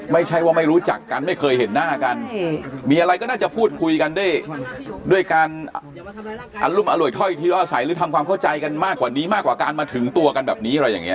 ไม่ใช่ว่าไม่รู้จักกันไม่เคยเห็นหน้ากันมีอะไรก็น่าจะพูดคุยกันด้วยด้วยการอรุมอร่วยถ้อยทีร่อใสหรือทำความเข้าใจกันมากกว่านี้มากกว่าการมาถึงตัวกันแบบนี้อะไรอย่างนี้